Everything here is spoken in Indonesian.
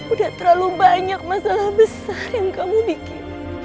udah terlalu banyak masalah besar yang kamu bikin